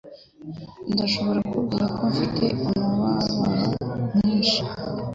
Nashoboraga kubwira ko afite umubabaro mwinshi.